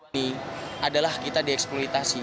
ini adalah kita dieksploitasi